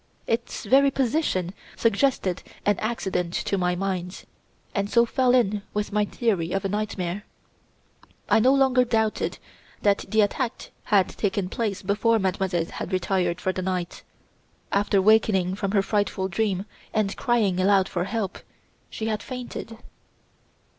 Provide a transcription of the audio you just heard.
Its very position suggested an accident to my mind, and so fell in with my theory of a nightmare. I no longer doubted that the attack had taken place before Mademoiselle had retired for the night. After wakening from her frightful dream and crying aloud for help, she had fainted.